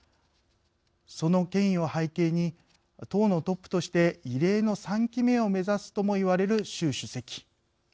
その権威を背景に党のトップとして異例の３期目を目指すとも言われる習主席。